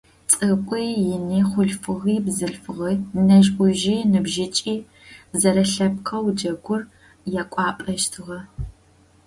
Цӏыкӏуи ини, хъулъфыгъи бзылъфыгъи, нэжъ-ӏужъи ныбжьыкӏи - зэрэлъэпкъэу джэгур якӏуапӏэщтыгъэ.